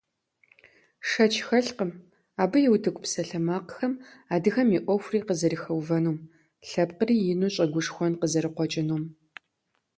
Шэч хэлъкъым, абы и утыку псалъэмакъхэм адыгэм и Ӏуэхури къызэрыхэувэнум, лъэпкъри ину щӀэгушхуэн къызэрыкъуэкӀынум.